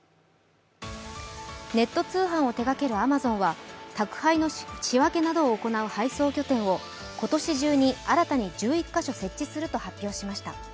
ネット通販を手がけるアマゾンは宅配の仕分けなどを行う配送拠点を今年中に新たに１１か所設置すると発表しました。